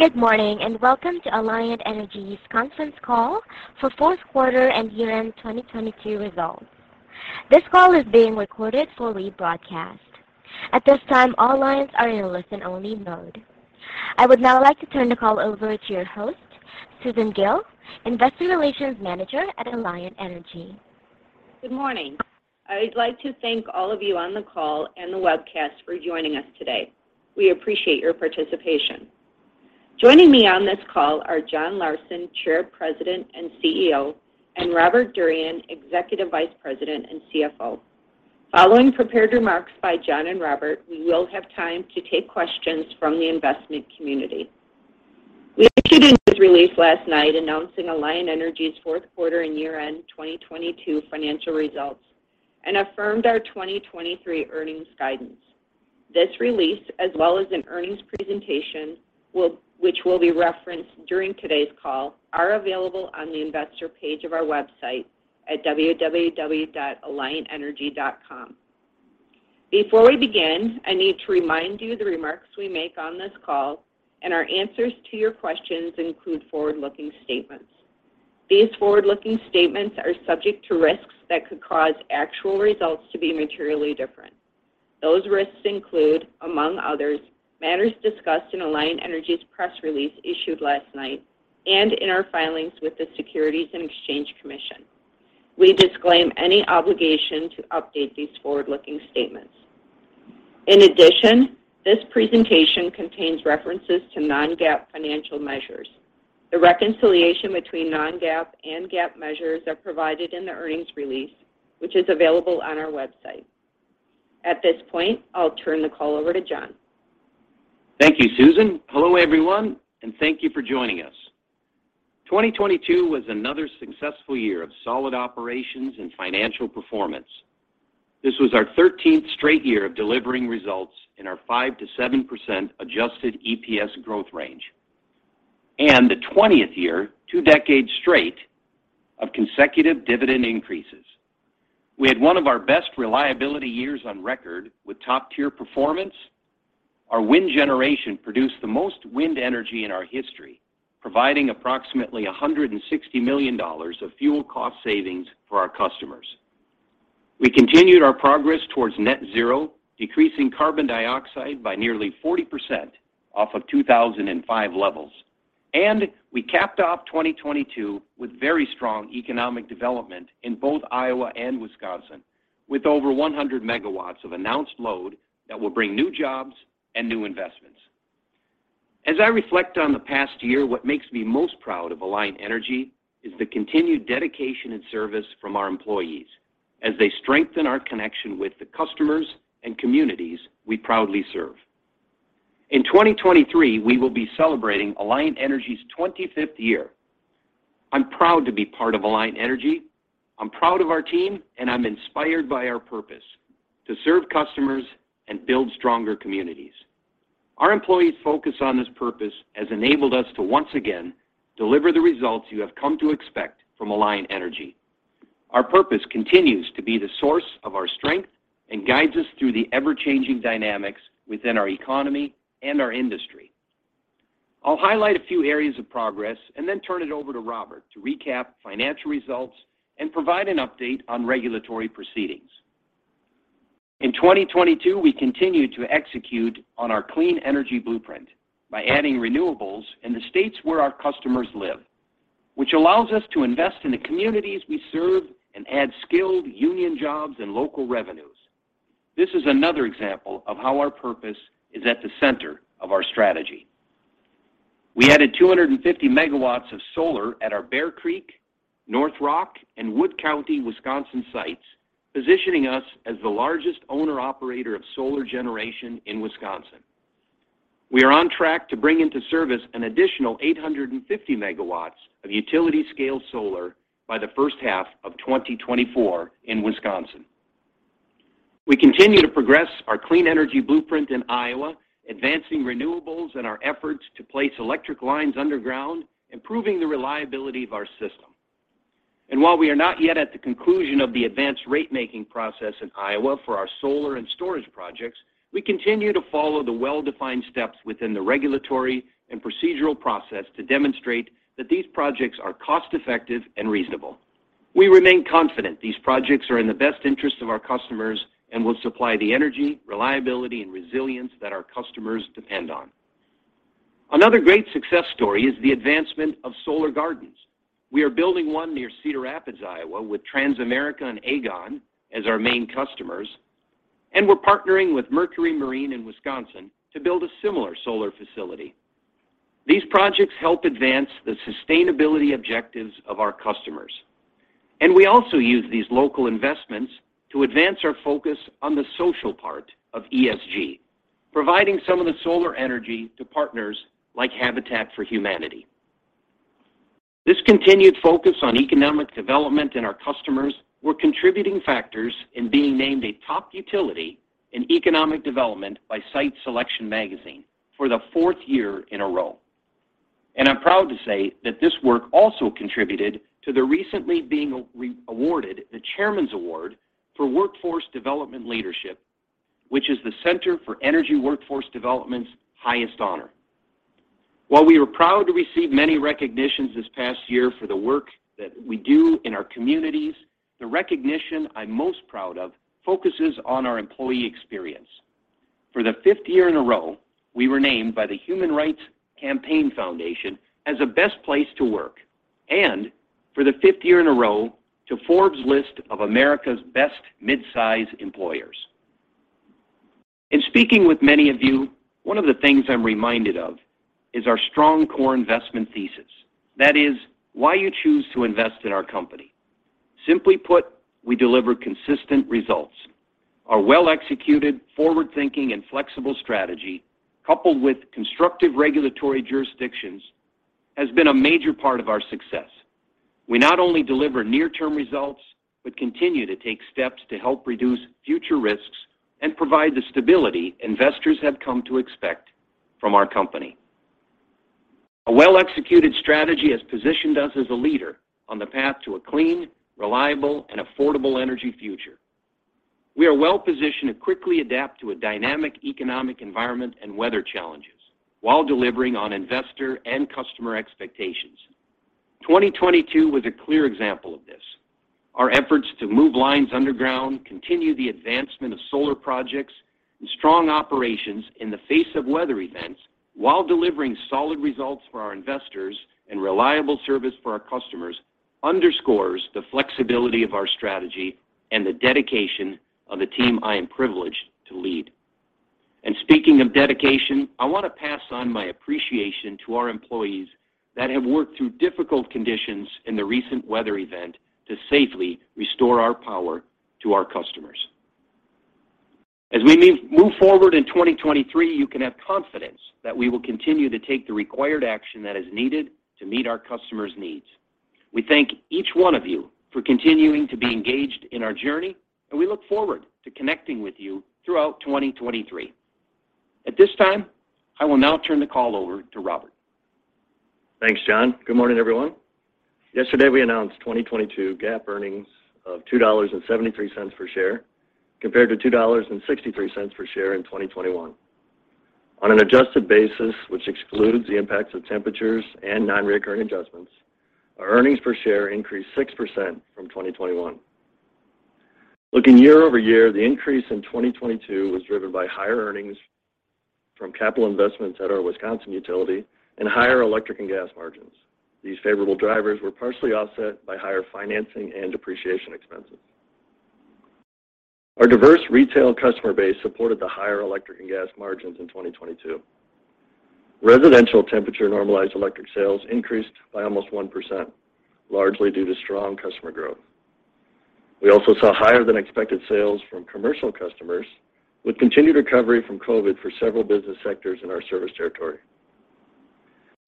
Good morning, welcome to Alliant Energy's conference call for fourth quarter and year-end 2022 results. This call is being recorded for rebroadcast. At this time, all lines are in a listen-only mode. I would now like to turn the call over to your host, Susan Gille, Investor Relations Manager at Alliant Energy. Good morning. I'd like to thank all of you on the call and the webcast for joining us today. We appreciate your participation. Joining me on this call are John Larsen, Chair, President, and CEO, and Robert Durian, Executive Vice President and CFO. Following prepared remarks by John and Robert, we will have time to take questions from the investment community. We issued a press release last night announcing Alliant Energy's fourth quarter and year-end 2022 financial results and affirmed our 2023 earnings guidance. This release, as well as an earnings presentation which will be referenced during today's call, are available on the investor page of our website at www.alliantenergy.com. Before we begin, I need to remind you the remarks we make on this call and our answers to your questions include forward-looking statements. These forward-looking statements are subject to risks that could cause actual results to be materially different. Those risks include, among others, matters discussed in Alliant Energy's press release issued last night and in our filings with the Securities and Exchange Commission. We disclaim any obligation to update these forward-looking statements. In addition, this presentation contains references to non-GAAP financial measures. The reconciliation between non-GAAP and GAAP measures are provided in the earnings release, which is available on our website. At this point, I'll turn the call over to John. Thank you, Susan. Hello, everyone, and thank you for joining us. 2022 was another successful year of solid operations and financial performance. This was our 13th straight year of delivering results in our 5%-7% adjusted EPS growth range and the 20th year, 2 decades straight, of consecutive dividend increases. We had one of our best reliability years on record with top-tier performance. Our wind generation produced the most wind energy in our history, providing approximately $160 million of fuel cost savings for our customers. We continued our progress towards net zero, decreasing carbon dioxide by nearly 40% off of 2005 levels. We capped off 2022 with very strong economic development in both Iowa and Wisconsin, with over 100 megawatts of announced load that will bring new jobs and new investments. As I reflect on the past year, what makes me most proud of Alliant Energy is the continued dedication and service from our employees as they strengthen our connection with the customers and communities we proudly serve. In 2023, we will be celebrating Alliant Energy's 25th year. I'm proud to be part of Alliant Energy. I'm proud of our team, and I'm inspired by our purpose: to serve customers and build stronger communities. Our employees' focus on this purpose has enabled us to once again deliver the results you have come to expect from Alliant Energy. Our purpose continues to be the source of our strength and guides us through the ever-changing dynamics within our economy and our industry. I'll highlight a few areas of progress and then turn it over to Robert to recap financial results and provide an update on regulatory proceedings. In 2022, we continued to execute on our Clean Energy Blueprint by adding renewables in the states where our customers live, which allows us to invest in the communities we serve and add skilled union jobs and local revenues. This is another example of how our purpose is at the center of our strategy. We added 250 MW of solar at our Bear Creek, North Rock, and Wood County, Wisconsin sites, positioning us as the largest owner-operator of solar generation in Wisconsin. We are on track to bring into service an additional 850 MW of utility-scale solar by the first half of 2024 in Wisconsin. We continue to progress our Clean Energy Blueprint in Iowa, advancing renewables and our efforts to place electric lines underground, improving the reliability of our system. While we are not yet at the conclusion of the advanced ratemaking process in Iowa for our solar and storage projects, we continue to follow the well-defined steps within the regulatory and procedural process to demonstrate that these projects are cost-effective and reasonable. We remain confident these projects are in the best interest of our customers and will supply the energy, reliability, and resilience that our customers depend on. Another great success story is the advancement of solar gardens. We are building one near Cedar Rapids, Iowa, with Transamerica and Aegon as our main customers, and we're partnering with Mercury Marine in Wisconsin to build a similar solar facility. These projects help advance the sustainability objectives of our customers, and we also use these local investments to advance our focus on the social part of ESG, providing some of the solar energy to partners like Habitat for Humanity. This continued focus on economic development in our customers were contributing factors in being named a top utility in economic development by Site Selection Magazine for the 4th year in a row. I'm proud to say that this work also contributed to the recently being awarded the Chairman's Award for Workforce Development Leadership, which is the Center for Energy Workforce Development's highest honor. While we are proud to receive many recognitions this past year for the work that we do in our communities, the recognition I'm most proud of focuses on our employee experience. For the 5th year in a row, we were named by the Human Rights Campaign Foundation as a Best Place to Work and for the 5th year in a row to Forbes' list of America's Best Mid-Size Employers. In speaking with many of you, one of the things I'm reminded of is our strong core investment thesis, that is why you choose to invest in our company. Simply put, we deliver consistent results. Our well-executed, forward-thinking, and flexible strategy, coupled with constructive regulatory jurisdictions, has been a major part of our success. We not only deliver near-term results, but continue to take steps to help reduce future risks and provide the stability investors have come to expect from our company. A well-executed strategy has positioned us as a leader on the path to a clean, reliable, and affordable energy future. We are well-positioned to quickly adapt to a dynamic economic environment and weather challenges while delivering on investor and customer expectations. 2022 was a clear example of this. Our efforts to move lines underground, continue the advancement of solar projects, and strong operations in the face of weather events while delivering solid results for our investors and reliable service for our customers underscores the flexibility of our strategy and the dedication of the team I am privileged to lead. Speaking of dedication, I want to pass on my appreciation to our employees that have worked through difficult conditions in the recent weather event to safely restore our power to our customers. As we move forward in 2023, you can have confidence that we will continue to take the required action that is needed to meet our customers' needs. We thank each one of you for continuing to be engaged in our journey, and we look forward to connecting with you throughout 2023. At this time, I will now turn the call over to Robert. Thanks, John. Good morning, everyone. Yesterday, we announced 2022 GAAP earnings of $2.73 per share, compared to $2.63 per share in 2021. On an adjusted basis, which excludes the impacts of temperatures and non-recurring adjustments, our earnings per share increased 6% from 2021. Looking year-over-year, the increase in 2022 was driven by higher earnings from capital investments at our Wisconsin utility and higher electric and gas margins. These favorable drivers were partially offset by higher financing and depreciation expenses. Our diverse retail customer base supported the higher electric and gas margins in 2022. Residential temperature normalized electric sales increased by almost 1%, largely due to strong customer growth. We also saw higher than expected sales from commercial customers with continued recovery from COVID for several business sectors in our service territory.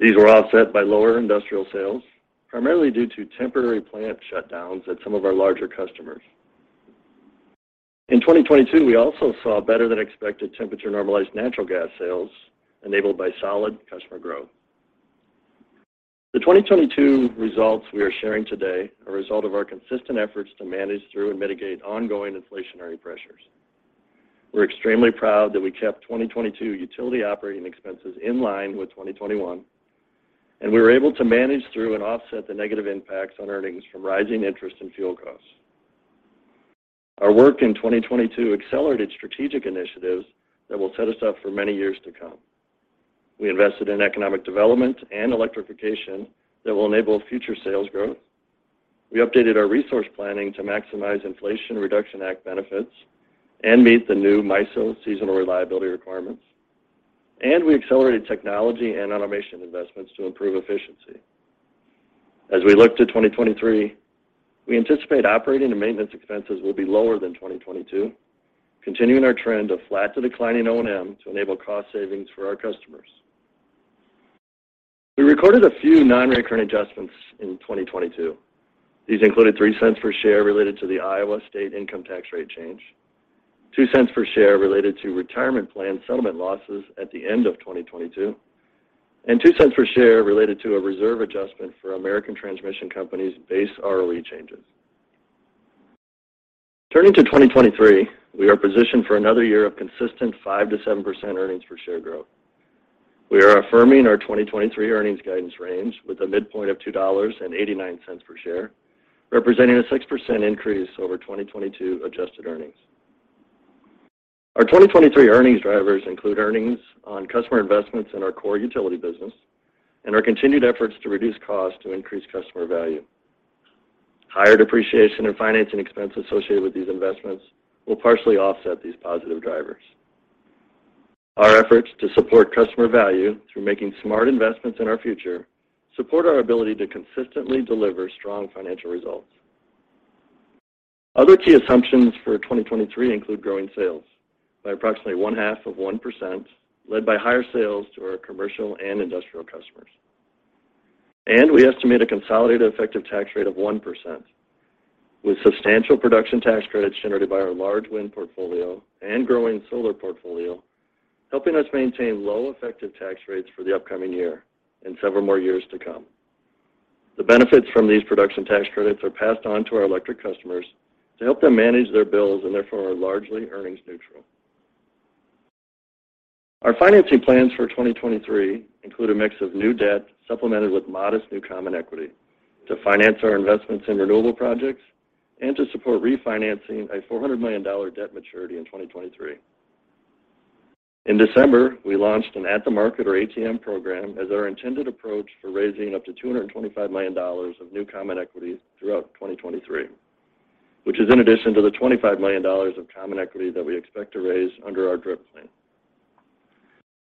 These were offset by lower industrial sales, primarily due to temporary plant shutdowns at some of our larger customers. In 2022, we also saw better than expected temperature normalized natural gas sales enabled by solid customer growth. The 2022 results we are sharing today are a result of our consistent efforts to manage through and mitigate ongoing inflationary pressures. We're extremely proud that we kept 2022 utility operating expenses in line with 2021, and we were able to manage through and offset the negative impacts on earnings from rising interest and fuel costs. Our work in 2022 accelerated strategic initiatives that will set us up for many years to come. We invested in economic development and electrification that will enable future sales growth. We updated our resource planning to maximize Inflation Reduction Act benefits and meet the new MISO seasonal reliability requirements. We accelerated technology and automation investments to improve efficiency. As we look to 2023, we anticipate operating and maintenance expenses will be lower than 2022, continuing our trend of flat to declining O&M to enable cost savings for our customers. We recorded a few non-recurring adjustments in 2022. These included $0.03 per share related to the Iowa state income tax rate change, $0.02 per share related to retirement plan settlement losses at the end of 2022, and $0.02 per share related to a reserve adjustment for American Transmission Company's base ROE changes. Turning to 2023, we are positioned for another year of consistent 5-7% earnings per share growth. We are affirming our 2023 earnings guidance range with a midpoint of $2.89 per share, representing a 6% increase over 2022 adjusted earnings. Our 2023 earnings drivers include earnings on customer investments in our core utility business and our continued efforts to reduce costs to increase customer value. Higher depreciation and financing expenses associated with these investments will partially offset these positive drivers. Our efforts to support customer value through making smart investments in our future support our ability to consistently deliver strong financial results. Other key assumptions for 2023 include growing sales by approximately one-half of 1%, led by higher sales to our commercial and industrial customers. We estimate a consolidated effective tax rate of 1%, with substantial production tax credits generated by our large wind portfolio and growing solar portfolio, helping us maintain low effective tax rates for the upcoming year and several more years to come. The benefits from these production tax credits are passed on to our electric customers to help them manage their bills and therefore are largely earnings neutral. Our financing plans for 2023 include a mix of new debt supplemented with modest new common equity to finance our investments in renewable projects and to support refinancing a $400 million debt maturity in 2023. In December, we launched an at-the-market or ATM program as our intended approach for raising up to $225 million of new common equity throughout 2023, which is in addition to the $25 million of common equity that we expect to raise under our DRIP plan.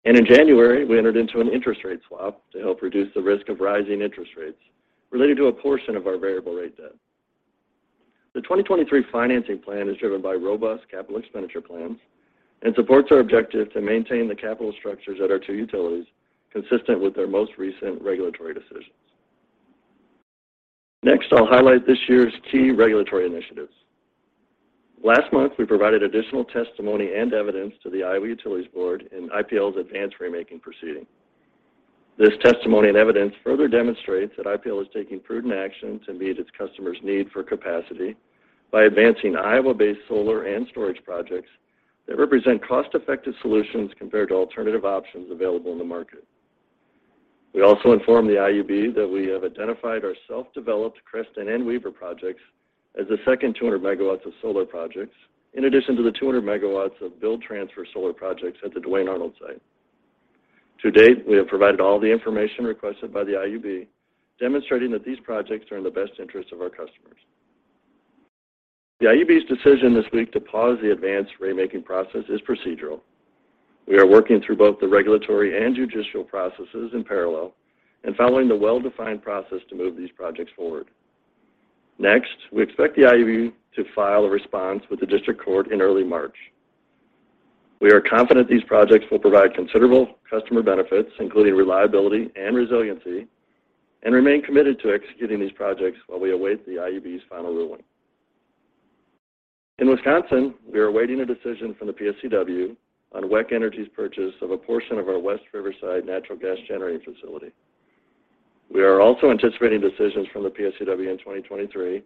In January, we entered into an interest rate swap to help reduce the risk of rising interest rates related to a portion of our variable rate debt. The 2023 financing plan is driven by robust capital expenditure plans and supports our objective to maintain the capital structures at our two utilities consistent with their most recent regulatory decisions. Next, I'll highlight this year's key regulatory initiatives. Last month, we provided additional testimony and evidence to the Iowa Utilities Board in IPL's advanced ratemaking proceeding. This testimony and evidence further demonstrates that IPL is taking prudent action to meet its customers' need for capacity by advancing Iowa-based solar and storage projects that represent cost-effective solutions compared to alternative options available in the market. We also informed the IUB that we have identified our self-developed Creston and Wever projects as the second 200 megawatts of solar projects in addition to the 200 megawatts of build transfer solar projects at the Duane Arnold site. To date, we have provided all the information requested by the IUB, demonstrating that these projects are in the best interest of our customers. The IUB's decision this week to pause the advanced ratemaking process is procedural. We are working through both the regulatory and judicial processes in parallel and following the well-defined process to move these projects forward. Next, we expect the IUB to file a response with the district court in early March. We are confident these projects will provide considerable customer benefits, including reliability and resiliency, and remain committed to executing these projects while we await the IUB's final ruling. In Wisconsin, we are awaiting a decision from the PSCW on WEC Energy's purchase of a portion of our West Riverside natural gas generating facility. We are also anticipating decisions from the PSCW in 2023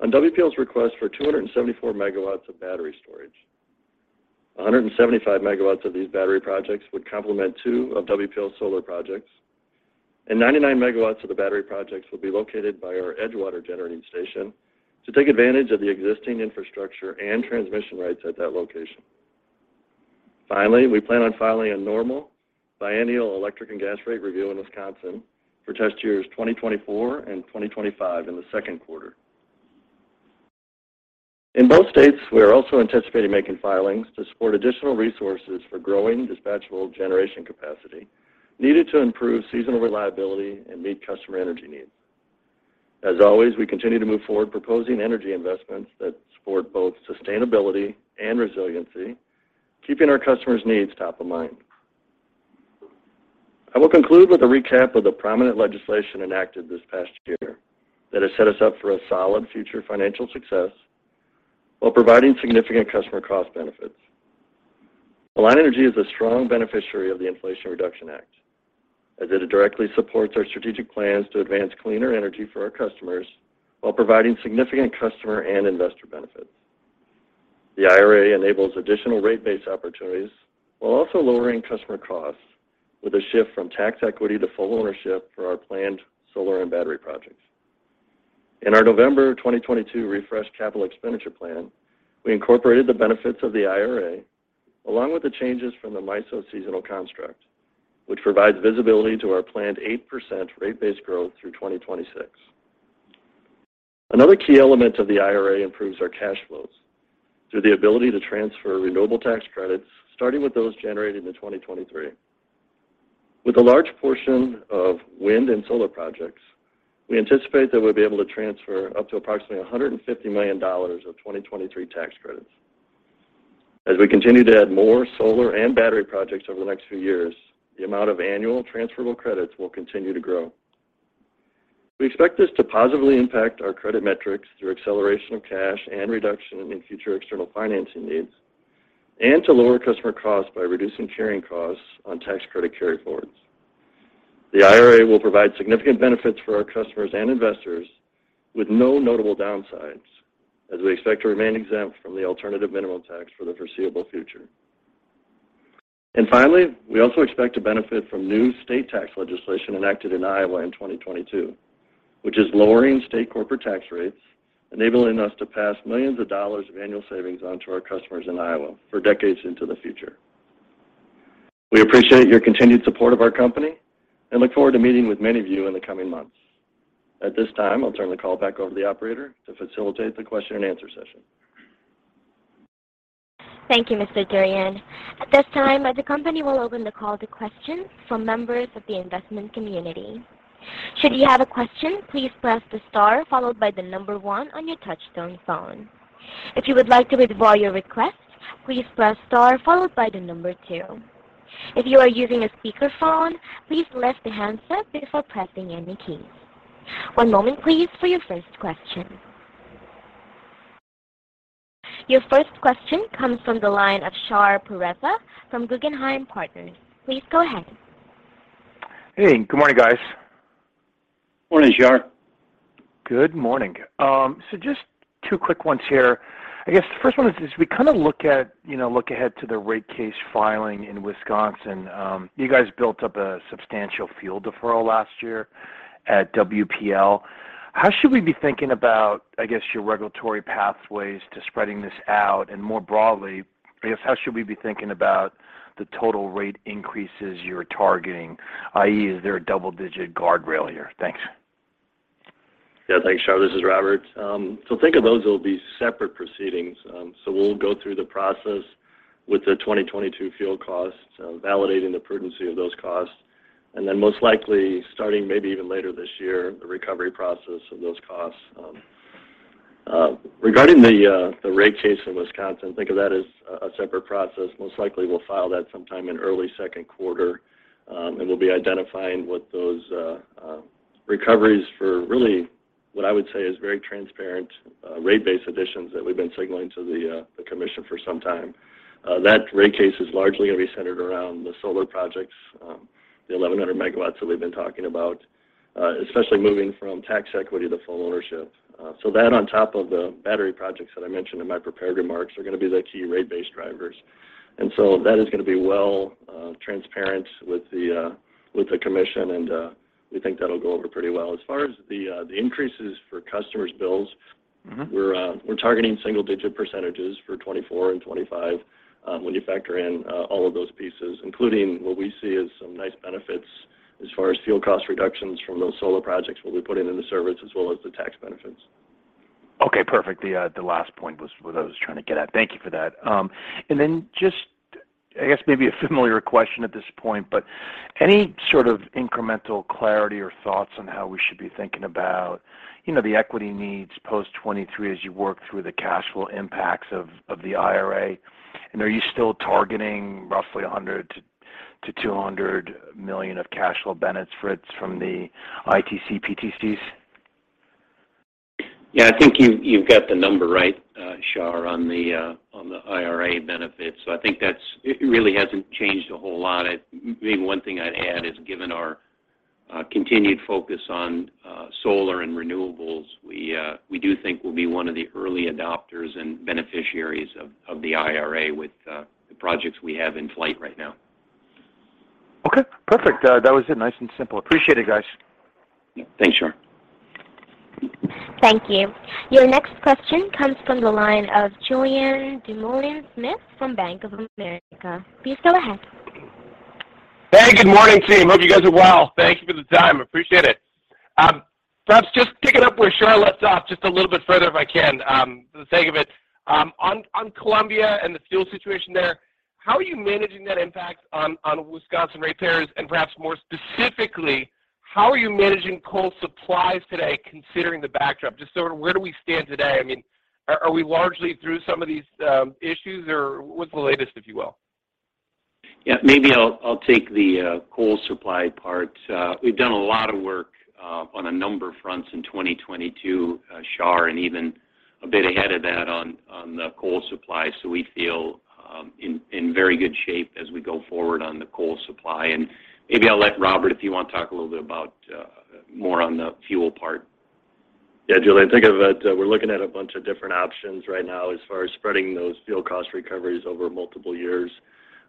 on WPL's request for 274 MW of battery storage. 175 MW of these battery projects would complement two of WPL's solar projects, and 99 MW of the battery projects will be located by our Edgewater generating station to take advantage of the existing infrastructure and transmission rights at that location. We plan on filing a normal biennial electric and gas rate review in Wisconsin for test years 2024 and 2025 in the second quarter. In both states, we are also anticipating making filings to support additional resources for growing dispatchable generation capacity needed to improve seasonal reliability and meet customer energy needs. As always, we continue to move forward proposing energy investments that support both sustainability and resiliency, keeping our customers' needs top of mind. I will conclude with a recap of the prominent legislation enacted this past year that has set us up for a solid future financial success while providing significant customer cost benefits. Alliant Energy is a strong beneficiary of the Inflation Reduction Act, as it directly supports our strategic plans to advance cleaner energy for our customers while providing significant customer and investor benefits. The IRA enables additional rate-based opportunities while also lowering customer costs with a shift from tax equity to full ownership for our planned solar and battery projects. In our November 2022 refreshed capital expenditure plan, we incorporated the benefits of the IRA along with the changes from the MISO seasonal construct, which provides visibility to our planned 8% rate-based growth through 2026. Another key element of the IRA improves our cash flows through the ability to transfer renewable tax credits, starting with those generated in 2023. With a large portion of wind and solar projects, we anticipate that we'll be able to transfer up to approximately $150 million of 2023 tax credits. As we continue to add more solar and battery projects over the next few years, the amount of annual transferable credits will continue to grow. We expect this to positively impact our credit metrics through acceleration of cash and reduction in future external financing needs and to lower customer costs by reducing carrying costs on tax credit carryforwards. The IRA will provide significant benefits for our customers and investors with no notable downsides as we expect to remain exempt from the alternative minimum tax for the foreseeable future. Finally, we also expect to benefit from new state tax legislation enacted in Iowa in 2022, which is lowering state corporate tax rates, enabling us to pass millions of dollars of annual savings on to our customers in Iowa for decades into the future. We appreciate your continued support of our company and look forward to meeting with many of you in the coming months. At this time, I'll turn the call back over to the operator to facilitate the question and answer session. Thank you, Mr. Durian. At this time, the company will open the call to questions from members of the investment community. Should you have a question, please press the star followed by 1 on your touchtone phone. If you would like to withdraw your request, please press star followed by 2. If you are using a speakerphone, please lift the handset before pressing any keys. One moment please for your first question. Your first question comes from the line of Shahriar Pourreza from Guggenheim Partners. Please go ahead. Hey, good morning, guys. Morning, Shar. Good morning. Just two quick ones here. I guess the first one is, as we kind of look at, you know, look ahead to the rate case filing in Wisconsin, you guys built up a substantial fuel deferral last year at WPL. How should we be thinking about, I guess, your regulatory pathways to spreading this out? More broadly, I guess, how should we be thinking about the total rate increases you're targeting, i.e., is there a double-digit guardrail here? Thanks. Yeah. Thanks, Shar. This is Robert. Think of those will be separate proceedings. We'll go through the process with the 2022 fuel costs, validating the prudency of those costs, and then most likely starting maybe even later this year, the recovery process of those costs. Regarding the rate case in Wisconsin, think of that as a separate process. Most likely, we'll file that sometime in early second quarter, and we'll be identifying what those recoveries for really what I would say is very transparent rate base additions that we've been signaling to the commission for some time. That rate case is largely going to be centered around the solar projects, the 1,100 megawatts that we've been talking about, especially moving from tax equity to full ownership. That on top of the battery projects that I mentioned in my prepared remarks are gonna be the key rate base drivers. That is gonna be well, transparent with the commission, and we think that'll go over pretty well. As far as the increases for customers' bills... Mm-hmm. We're targeting single-digit % for 2024 and 2025, when you factor in all of those pieces, including what we see as some nice benefits as far as fuel cost reductions from those solar projects that we put into service as well as the tax benefits. Okay. Perfect. The last point was what I was trying to get at. Thank you for that. Then just, I guess maybe a familiar question at this point, but any sort of incremental clarity or thoughts on how we should be thinking about, you know, the equity needs post 23 as you work through the cash flow impacts of the IRA? Are you still targeting roughly $100 million-$200 million of cash flow benefits from the ITC PTCs? Yeah. I think you've got the number right, Shar, on the IRA benefits. I think that's. It really hasn't changed a whole lot. Maybe one thing I'd add is given our continued focus on solar and renewables, we do think we'll be one of the early adopters and beneficiaries of the IRA with the projects we have in flight right now. Okay. Perfect. That was it. Nice and simple. Appreciate it, guys. Yeah. Thanks, Shar. Thank you. Your next question comes from the line of Julien Dumoulin-Smith from Bank of America. Please go ahead. Hey, good morning, team. Hope you guys are well. Thank you for the time. Appreciate it. Perhaps just picking up where Shar left off just a little bit further, if I can, for the sake of it. On Columbia and the fuel situation there, how are you managing that impact on Wisconsin rate payers? Perhaps more specifically, how are you managing coal supplies today considering the backdrop? Just sort of where do we stand today? I mean, are we largely through some of these issues, or what's the latest, if you will? Yeah. Maybe I'll take the coal supply part. We've done a lot of work on a number of fronts in 2022, Shar, and even a bit ahead of that on the coal supply. We feel in very good shape as we go forward on the coal supply. Maybe I'll let Robert, if you want to talk a little bit about more on the fuel part. Yeah, Julian. Think of that, we're looking at a bunch of different options right now as far as spreading those fuel cost recoveries over multiple years,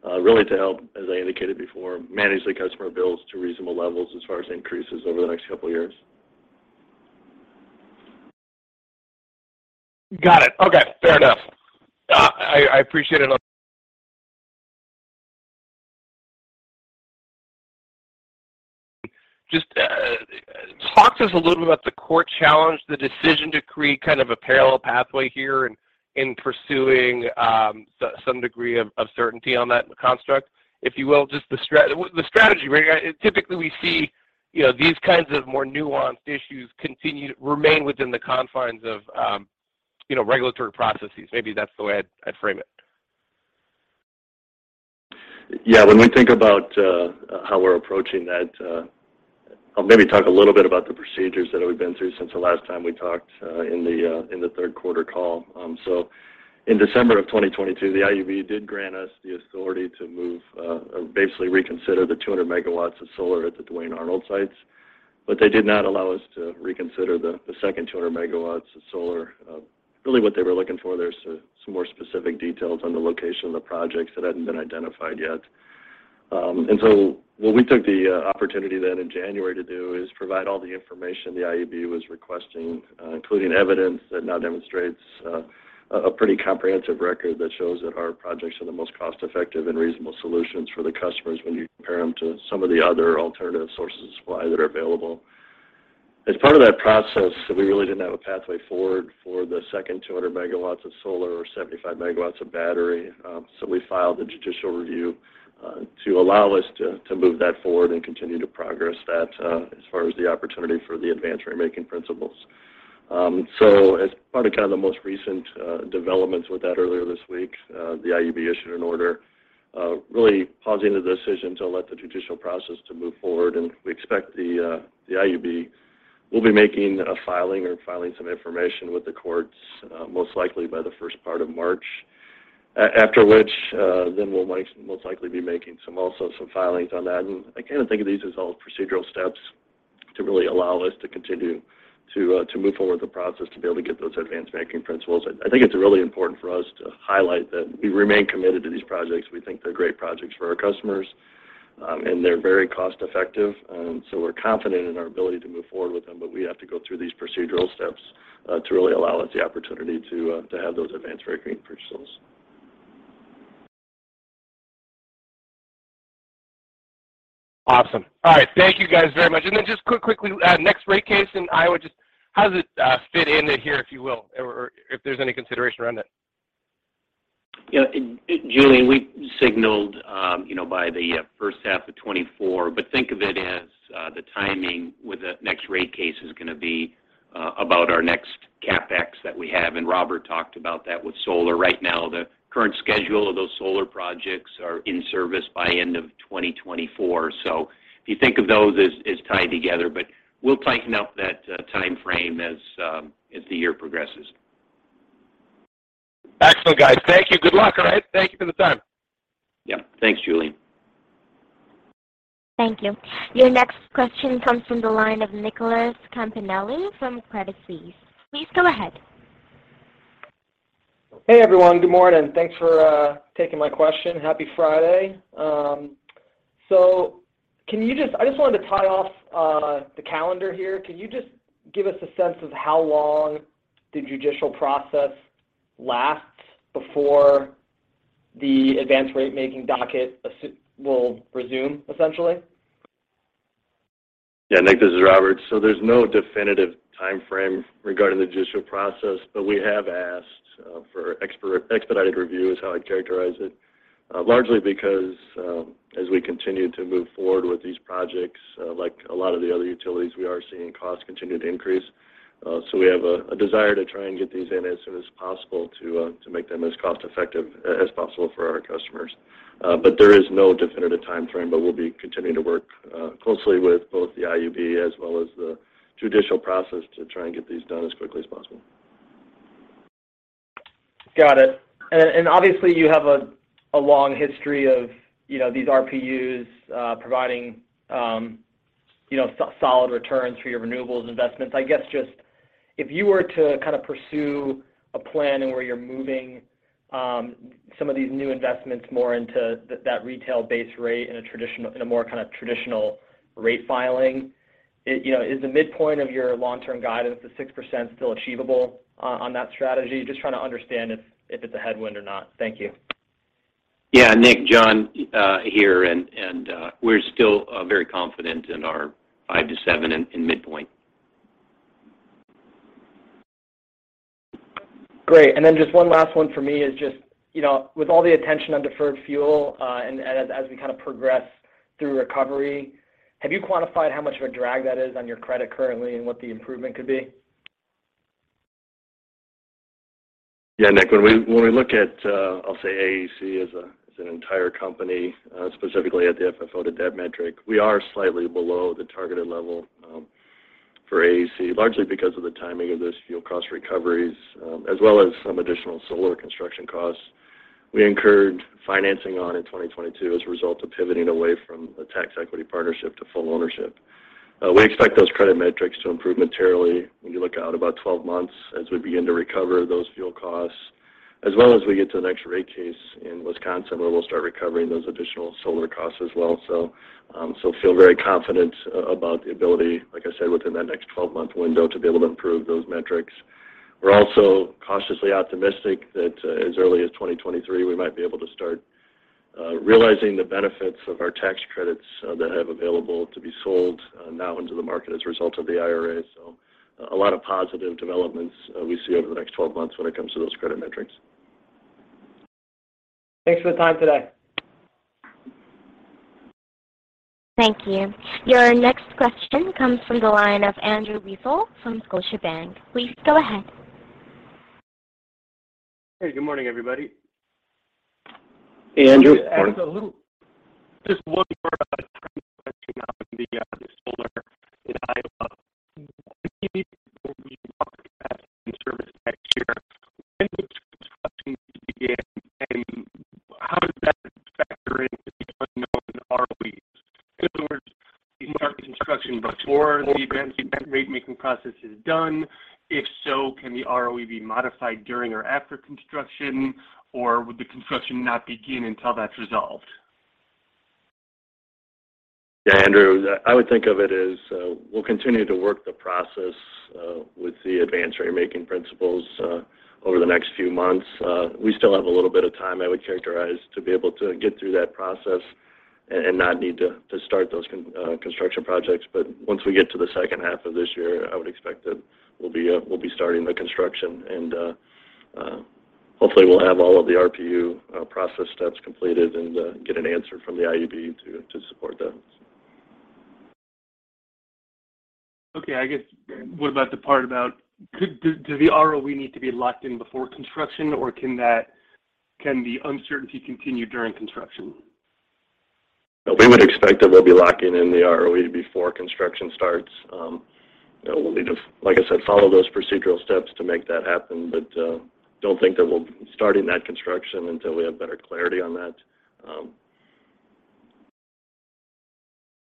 really to help, as I indicated before, manage the customer bills to reasonable levels as far as increases over the next couple of years. Got it. Okay. Fair enough. I appreciate it. Just talk to us a little bit about the court challenge, the decision to create kind of a parallel pathway here in pursuing some degree of certainty on that construct. If you will, just the strategy. Typically, we see, you know, these kinds of more nuanced issues continue to remain within the confines of, you know, regulatory processes. Maybe that's the way I'd frame it. Yeah. When we think about how we're approaching that, I'll maybe talk a little bit about the procedures that we've been through since the last time we talked in the third quarter call. In December 2022, the IUB did grant us the authority to move, basically reconsider the 200 megawatts of solar at the Duane Arnold sites, but they did not allow us to reconsider the second 200 megawatts of solar. Really what they were looking for, there's some more specific details on the location of the projects that hadn't been identified yet. What we took the opportunity then in January to do is provide all the information the IUB was requesting, including evidence that now demonstrates a pretty comprehensive record that shows that our projects are the most cost-effective and reasonable solutions for the customers when you compare them to some of the other alternative sources of supply that are available. As part of that process, we really didn't have a pathway forward for the second 200 megawatts of solar or 75 megawatts of battery. We filed a judicial review to allow us to move that forward and continue to progress that as far as the opportunity for the advanced ratemaking principles. So as part of kinda the most recent developments with that earlier this week, the IUB issued an order, really pausing the decision to let the judicial process to move forward. We expect the IUB will be making a filing or filing some information with the courts, most likely by the first part of March. After which, then we'll most likely be making some, also some filings on that. I kind of think of these as all procedural steps to really allow us to continue to move forward with the process to be able to get those advanced ratemaking principles. I think it's really important for us to highlight that we remain committed to these projects. We think they're great projects for our customers, and they're very cost-effective. We're confident in our ability to move forward with them, but we have to go through these procedural steps to really allow us the opportunity to have those advanced ratemaking principles. Awesome. All right. Thank you guys very much. Just quickly, next rate case in Iowa, just how does it fit into here, if you will, or if there's any consideration around that? You know, Julien, we signaled, you know, by the first half of 2024. Think of it as the timing with the next rate case is gonna be about our next CapEx that we have, and Robert talked about that with solar. Right now, the current schedule of those solar projects are in service by end of 2024. If you think of those as tied together, but we'll tighten up that timeframe as the year progresses. Excellent, guys. Thank you. Good luck. All right? Thank you for the time. Yeah. Thanks, Julien. Thank you. Your next question comes from the line of Nicholas Campanella from Credit Suisse. Please go ahead. Hey, everyone. Good morning. Thanks for taking my question. Happy Friday. I just wanted to tie off the calendar here. Can you just give us a sense of how long the judicial process lasts before the advanced ratemaking docket will resume, essentially? Yeah, Nick, this is Robert. There's no definitive timeframe regarding the judicial process, but we have asked for expedited review is how I'd characterize it. Largely because, as we continue to move forward with these projects, like a lot of the other utilities, we are seeing costs continue to increase. We have a desire to try and get these in as soon as possible to make them as cost effective as possible for our customers. There is no definitive timeframe, but we'll be continuing to work closely with both the IUB as well as the judicial process to try and get these done as quickly as possible. Got it. Obviously you have a long history of, you know, these RPUs providing, you know, solid returns for your renewables investments. I guess just if you were to kind of pursue a plan and where you're moving some of these new investments more into that retail-based rate in a more kind of traditional rate filing, you know, is the midpoint of your long-term guidance, the 6% still achievable on that strategy? Just trying to understand if it's a headwind or not. Thank you. Yeah. Nick, John, here. we're still very confident in our 5-7 in midpoint. Great. Then just one last one for me is just, you know, with all the attention on deferred fuel, and as we kind of progress through recovery, have you quantified how much of a drag that is on your credit currently and what the improvement could be? Yeah, Nick, when we, when we look at, I'll say AEC as an entire company, specifically at the FFO, the debt metric, we are slightly below the targeted level for AEC, largely because of the timing of those fuel cost recoveries, as well as some additional solar construction costs. We incurred financing on in 2022 as a result of pivoting away from a tax equity partnership to full ownership. We expect those credit metrics to improve materially when you look out about 12 months as we begin to recover those fuel costs, as well as we get to the next rate case in Wisconsin, where we'll start recovering those additional solar costs as well. Feel very confident about the ability, like I said, within that next 12-month window to be able to improve those metrics. We're also cautiously optimistic that, as early as 2023, we might be able to start realizing the benefits of our tax credits that have available to be sold now into the market as a result of the IRA. A lot of positive developments we see over the next 12 months when it comes to those credit metrics. Thanks for the time today. Thank you. Your next question comes from the line of Andrew Weisel from Scotiabank. Please go ahead. Hey, good morning, everybody. Andrew. Yeah, Andrew. Just one more time question on the solar in Iowa. Maybe before we mark that in service next year, when does construction begin, and how does that factor into the unknown ROE? In other words, do you mark the construction before the advanced ratemaking process is done? If so, can the ROE be modified during or after construction, or would the construction not begin until that's resolved? Yeah, Andrew, I would think of it as, we'll continue to work the process with the advanced ratemaking principles over the next few months. We still have a little bit of time, I would characterize, to be able to get through that process and not need to start those construction projects. Once we get to the second half of this year, I would expect that we'll be starting the construction and hopefully we'll have all of the RPU process steps completed and get an answer from the IUB to support those. Okay. I guess what about the part about do the ROE need to be locked in before construction, or can the uncertainty continue during construction? We would expect that we'll be locking in the ROE before construction starts. We'll need to, like I said, follow those procedural steps to make that happen, but don't think that we'll be starting that construction until we have better clarity on that.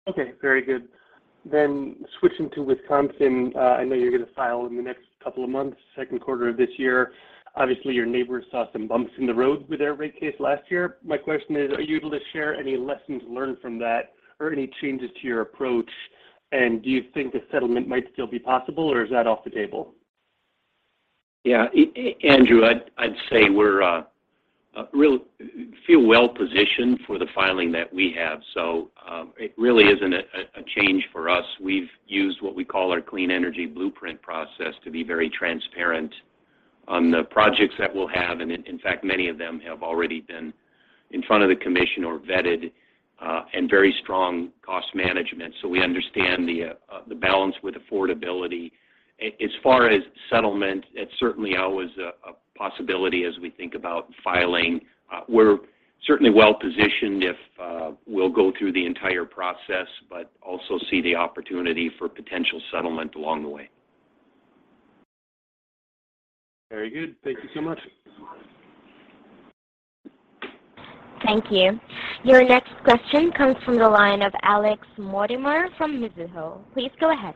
Okay, very good. Switching to Wisconsin, I know you're gonna file in the next couple of months, second quarter of this year. Obviously, your neighbors saw some bumps in the road with their rate case last year. My question is, are you able to share any lessons learned from that or any changes to your approach? Do you think a settlement might still be possible, or is that off the table? Yeah. Andrew, I'd say we're feel well-positioned for the filing that we have. It really isn't a change for us. We've used what we call our Clean Energy Blueprint process to be very transparent on the projects that we'll have. Many of them have already been in front of the commission or vetted, and very strong cost management, so we understand the balance with affordability. As far as settlement, it's certainly always a possibility as we think about filing. We're certainly well-positioned if we'll go through the entire process, but also see the opportunity for potential settlement along the way. Very good. Thank you so much. Thank you. Your next question comes from the line of Alex Mortimer from Mizuho. Please go ahead.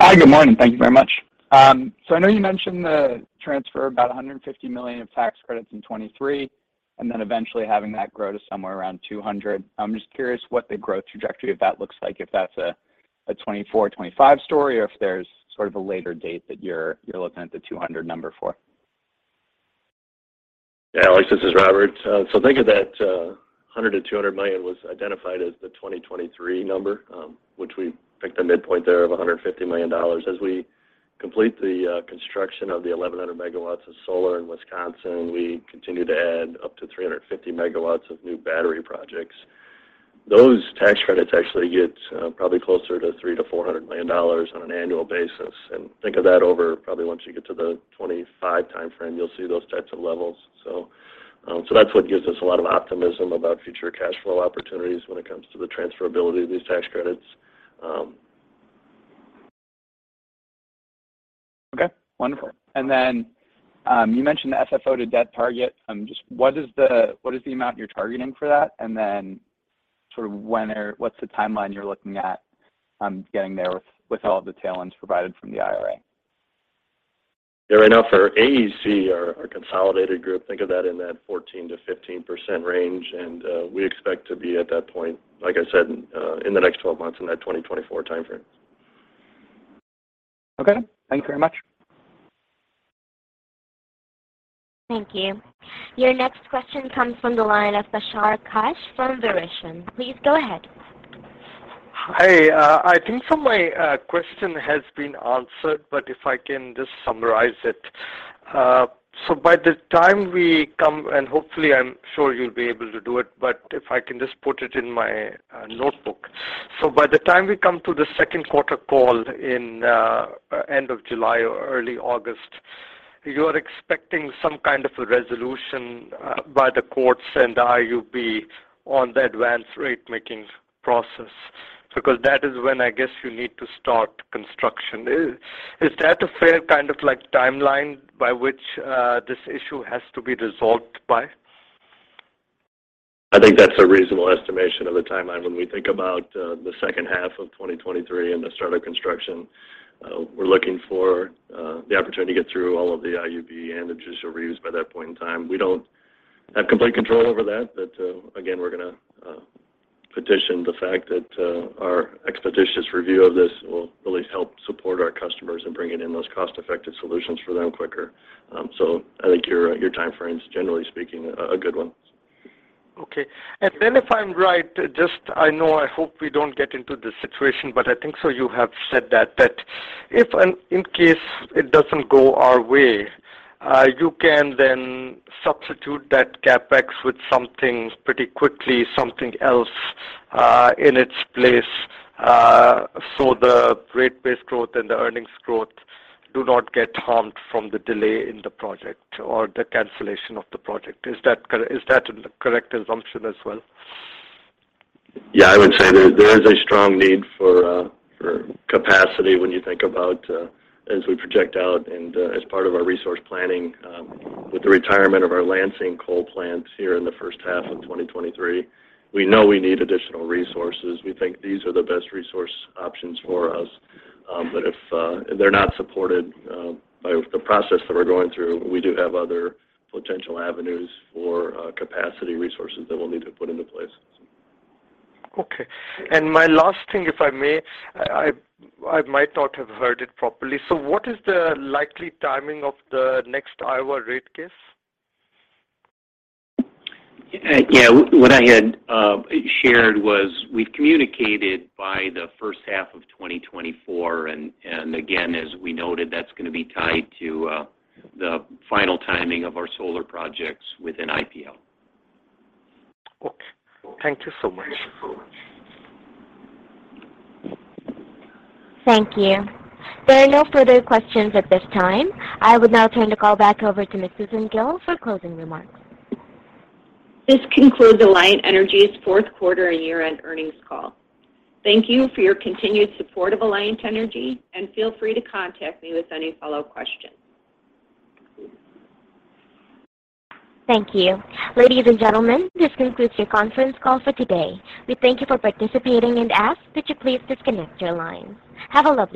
Hi, good morning. Thank you very much. I know you mentioned the transfer about $150 million of tax credits in 2023, and then eventually having that grow to somewhere around $200 million. I'm just curious what the growth trajectory of that looks like, if that's a 2024/2025 story, or if there's sort of a later date that you're looking at the $200 million number for. Yeah, Alex, this is Robert. Think of that $100 million-$200 million was identified as the 2023 number, which we picked a midpoint there of $150 million. As we complete the construction of the 1,100 megawatts of solar in Wisconsin, we continue to add up to 350 megawatts of new battery projects. Those tax credits actually get probably closer to $300 million-$400 million on an annual basis. Think of that over probably once you get to the 2025 timeframe, you'll see those types of levels. That's what gives us a lot of optimism about future cash flow opportunities when it comes to the transferability of these tax credits. Okay, wonderful. You mentioned the FFO to debt target. Just what is the, what is the amount you're targeting for that? Then sort of when or what's the timeline you're looking at, getting there with all the tailwinds provided from the IRA? Yeah. Right now for AEC, our consolidated group, think of that in that 14%-15% range. We expect to be at that point, like I said, in the next 12 months in that 2024 timeframe. Okay. Thank you very much. Thank you. Your next question comes from the line of Bashar Kash from Verition. Please go ahead. Hi. I think some of my question has been answered, but if I can just summarize it. By the time we come, and hopefully I'm sure you'll be able to do it, but if I can just put it in my notebook. By the time we come to the second quarter call in end of July or early August, you are expecting some kind of a resolution by the courts and the IUB on the advanced ratemaking process. That is when I guess you need to start construction. Is that a fair kind of like timeline by which this issue has to be resolved by? I think that's a reasonable estimation of the timeline when we think about, the second half of 2023 and the start of construction. We're looking for the opportunity to get through all of the IUB and the judicial reviews by that point in time. We don't have complete control over that. Again, we're gonna petition the fact that our expeditious review of this will really help support our customers in bringing in those cost-effective solutions for them quicker. I think your timeframe is, generally speaking, a good one. Okay. Then if I'm right, just I know I hope we don't get into this situation, I think you have said that if, in case it doesn't go our way, you can then substitute that CapEx with something pretty quickly, something else, in its place, so the rate base growth and the earnings growth do not get harmed from the delay in the project or the cancellation of the project. Is that the correct assumption as well? Yeah, I would say there is a strong need for capacity when you think about as we project out and as part of our resource planning, with the retirement of our Lansing coal plants here in the first half of 2023. We know we need additional resources. We think these are the best resource options for us. If they're not supported by the process that we're going through, we do have other potential avenues for capacity resources that we'll need to put into place. Okay. My last thing, if I may, I might not have heard it properly. What is the likely timing of the next Iowa rate case? Yeah. What I had shared was we've communicated by the first half of 2024. Again, as we noted, that's gonna be tied to the final timing of our solar projects within IPL. Okay. Thank you so much. Thank you. There are no further questions at this time. I would now turn the call back over to Ms. Susan Gille for closing remarks. This concludes Alliant Energy's fourth quarter and year-end earnings call. Thank you for your continued support of Alliant Energy, and feel free to contact me with any follow questions. Thank you. Ladies and gentlemen, this concludes your conference call for today. We thank you for participating and ask that you please disconnect your line. Have a lovely day.